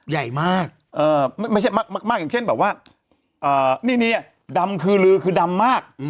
ใหญ่มากไม่ไม่ใช่มากมากอย่างเช่นแบบว่าบ้านคือลือคือดำมาก